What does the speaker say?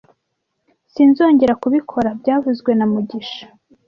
Sinzongera kubikora byavuzwe na mugisha